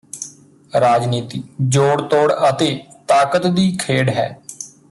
ਰਾਜਨੀਤੀ ਜੋੜ ਤੋੜ ਅਤੇ ਤਾਕਤ ਦੀ ਖੇਡ ਹੈ